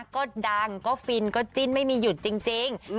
ก็ดังก็ฟินก็จิ้นไม่มีหยุดจริง